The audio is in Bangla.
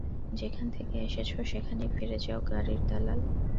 যেখান থেকে এসেছ সেখানেই ফিরে যাও, গাড়ির দালাল।